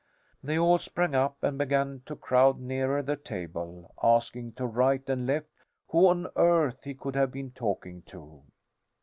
They all sprang up and began to crowd nearer the table, asking to right and left who on earth he could have been talking to.